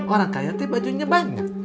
orang kaya itu bajunya banyak